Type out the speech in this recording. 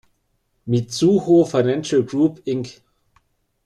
Mizuho Financial Group Inc.